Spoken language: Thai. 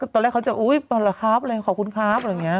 ตอนแรกเขาต้องการแบบเหรอครับขอบคุณครับอะไรแบบเนี่ย